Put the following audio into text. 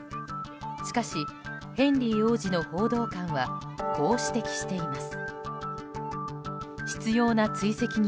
しかし、ヘンリー王子の報道官はこう指摘しています。